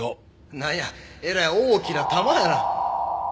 なんやえらい大きな玉やな。